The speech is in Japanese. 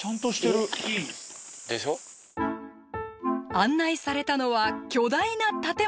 案内されたのは巨大な建物。